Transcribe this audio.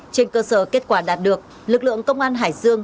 trên cơ sở kết quả đạt được lực lượng công an hải dương